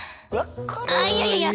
あいやいやいや！